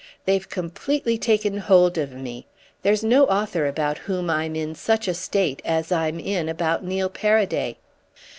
They've completely taken hold of me. There's no author about whom I'm in such a state as I'm in about Neil Paraday."